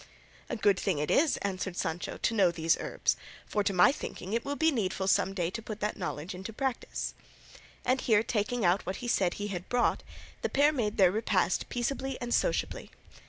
"A good thing it is," answered Sancho, "to know those herbs, for to my thinking it will be needful some day to put that knowledge into practice." And here taking out what he said he had brought, the pair made their repast peaceably and sociably.